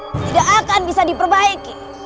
tidak akan bisa diperbaiki